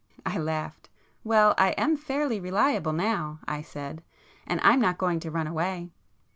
I laughed. "Well, I am fairly reliable now"—I said—"And I'm not going to run away."